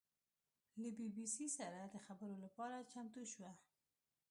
له بي بي سي سره د خبرو لپاره چمتو شوه.